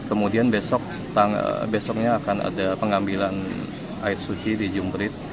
kemudian besoknya akan ada pengambilan ayat suci di jumprit